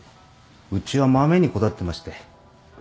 うちは豆にこだわってまして。